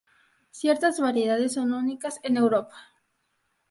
Ciertas variedades son únicas en Europa.